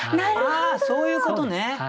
そういうことね！